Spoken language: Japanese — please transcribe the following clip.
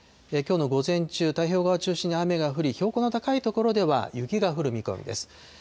きょうの午前中、太平洋側を中心に雨が降り、標高の高い所では雪が降る見込みです。